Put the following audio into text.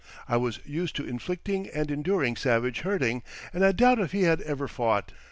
I was used to inflicting and enduring savage hurting, and I doubt if he had ever fought.